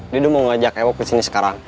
dia mau ngajak ewok kesini sekarang